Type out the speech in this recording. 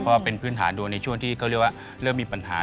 เพราะเป็นพื้นฐานโดยในช่วงที่เริ่มมีปัญหา